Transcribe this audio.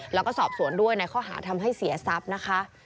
แล้วก็สอบสวนด้วยในข้อหาทำให้เสียทรัพย์นะคะ